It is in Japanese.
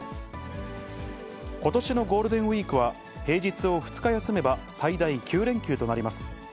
ことしのゴールデンウィークは、平日を２日休めば最大９連休となります。